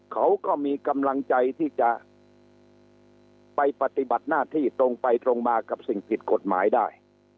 เขาก็มีกำลังใจที่จะไปปฏิบัติหน้าที่ตรงไปตรงมากับสิ่งผิดกฎหมายได้